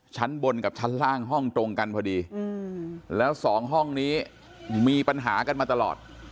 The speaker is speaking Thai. ชั้นบนกับชั้นล่างห้องตรงกันพอดีแล้วสองห้องนี้มีปัญหากันมาตลอด